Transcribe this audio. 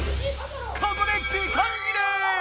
ここで時間切れ！